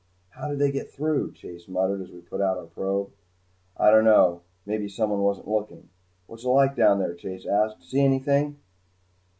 "How did they get through?" Chase muttered as we put out our probe. "I don't know maybe someone wasn't looking." "What's it like down there?" Chase asked. "See anything?"